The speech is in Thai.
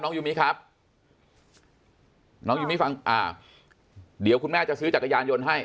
ยูมิครับน้องยูมิฟังอ่าเดี๋ยวคุณแม่จะซื้อจักรยานยนต์ให้